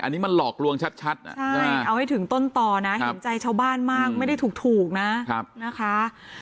อันนี้มันหลอกลวงชัดเอาให้ถึงต้นต่อนะเห็นใจชาวบ้านมากไม่ได้ถูกนะนะคะ